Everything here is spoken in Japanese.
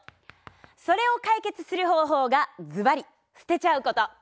それを解決する方法がズバリすてちゃうこと。